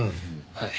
はい。